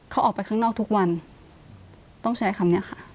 เขาออกไปข้างนอกทุกวันต้องใช้คำนี้ค่ะ